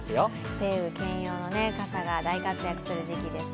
晴雨兼用の傘が大活躍する時期です。